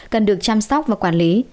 cần được chăm sóc và quản lý